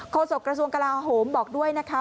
โศกระทรวงกลาโหมบอกด้วยนะคะ